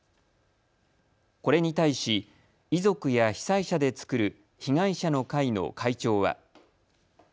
これに対し、遺族や被災者で作る被害者の会の会長は。